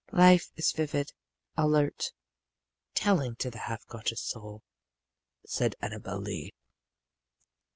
"Life is vivid, alert, telling to the half conscious soul," said Annabel Lee.